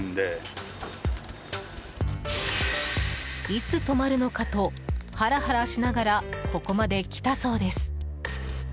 いつ止まるのかとハラハラしながらここまで来たそうです。